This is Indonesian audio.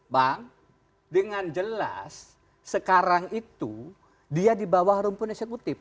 bang dengan jelas sekarang itu dia di bawah rumput eksekutif